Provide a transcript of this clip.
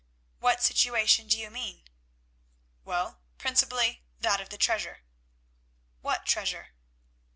"What situation do you mean?" "Well, principally that of the treasure." "What treasure?"